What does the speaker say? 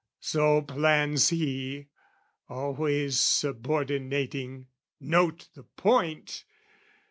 So plans he, Always subordinating (note the point!)